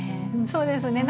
そうですね